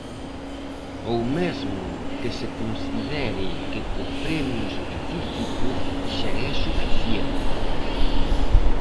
Ou mesmo que se considere que co premio específico xa é suficiente.